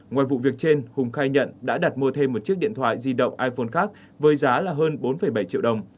ngoài vụ việc trên hùng khai nhận đã đặt mua thêm một chiếc điện thoại di động iphone khác với giá là hơn bốn bảy triệu đồng